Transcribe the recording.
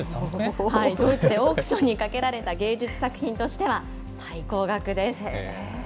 ドイツでオークションにかけられた芸術作品としては最高額です。